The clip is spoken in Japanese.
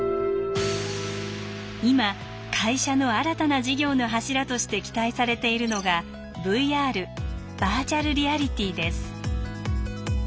今会社の新たな事業の柱として期待されているのがＶＲ＝バーチャルリアリティーです。